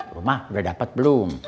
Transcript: rumah udah dapet belum